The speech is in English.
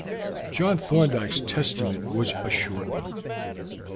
John Thorndyke's testament was a short one.